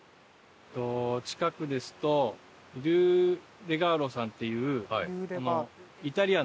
近くですとイルレガーロさんっていうイタリアンのですね。